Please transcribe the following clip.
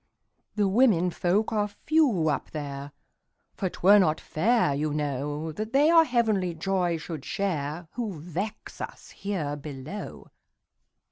"The women folk are few up there; For 't were not fair, you know, That they our heavenly joy should shareWho vex us here below.